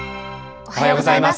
おはようございます。